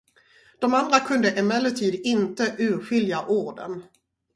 De andra kunde emellertid inte urskilja orden.